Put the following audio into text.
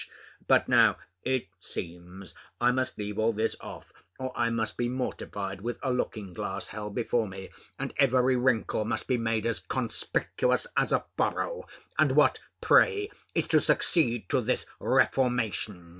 _ But now, it seems, I must leave all this off, or I must be mortified with a looking glass held before me, and every wrinkle must be made as conspicuous as a furrow And what, pray, is to succeed to this reformation?